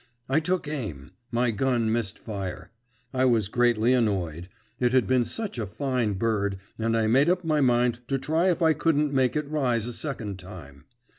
I took aim; my gun missed fire. I was greatly annoyed; it had been such a fine bird, and I made up my mind to try if I couldn't make it rise a second time.